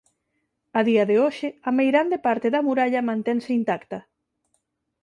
A día de hoxe a meirande parte da muralla mantense intacta.